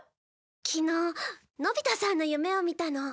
昨日のび太さんの夢を見たの。